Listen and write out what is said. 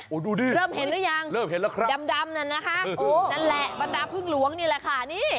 โอ้ดูดิเริ่มเห็นหรือยังดำนั้นนะคะนั่นแหละบรรดาพึ่งหลวงนี่แหละค่ะ